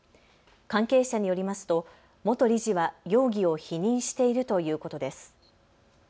関係者によりますと元理事は容疑を否認しているということです。